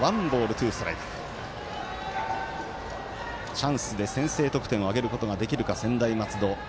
チャンスで先制得点を挙げることができるか専大松戸。